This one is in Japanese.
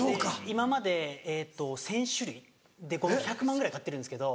今まで１０００種類５００万ぐらい買ってるんですけど。